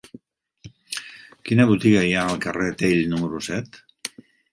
Quina botiga hi ha al carrer de Tell número set?